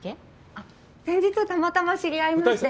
あ先日たまたま知り合いまして。